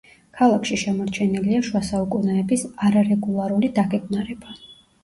ქალაქში შემორჩენილია შუა საუკუნეების არარეგულარული დაგეგმარება.